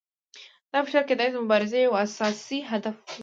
دا فشار کیدای شي د مبارزې یو اساسي هدف وي.